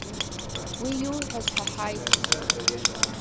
Уи иуҳәаз ҳаҳаит.